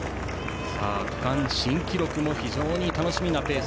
区間新記録も非常に楽しみなペース。